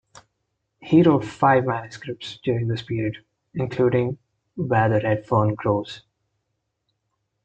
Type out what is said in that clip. He wrote five manuscripts during this period, including "Where the Red Fern Grows".